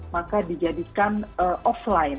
maka dijadikan offline